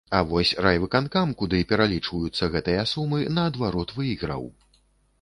А вось райвыканкам, куды пералічваюцца гэтыя сумы, наадварот, выйграў.